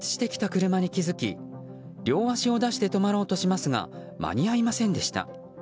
車に気付き両足を出して止まろうとしますが間に合いませんでした。